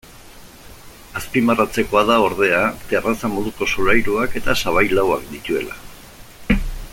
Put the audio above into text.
Azpimarratzekoa da, ordea, terraza moduko solairuak eta sabai lauak dituela.